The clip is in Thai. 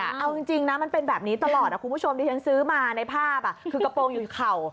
เอาจริงนะมันเป็นแบบนี้ตลอดคุณผู้ชมที่ฉันซื้อมาในภาพคือกระโปรงอยู่เข่า